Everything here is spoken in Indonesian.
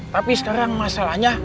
tapi sekarang masalahnya